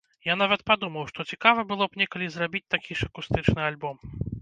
Я нават падумаў, што цікава было б некалі зрабіць такі ж акустычны альбом.